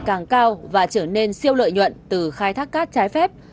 nguy hiểm ngày càng cao và trở nên siêu lợi nhuận từ khai thác cát trái phép